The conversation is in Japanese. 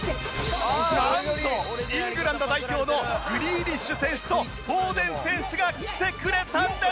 なんとイングランド代表のグリーリッシュ選手とフォーデン選手が来てくれたんです！